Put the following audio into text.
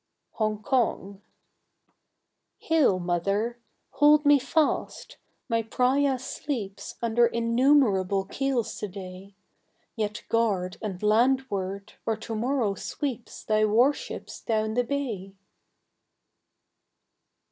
Hong Kong. Hail, Mother! Hold me fast; my Praya sleeps Under innumerable keels to day. Yet guard (and landward) or to morrow sweeps Thy warships down the bay.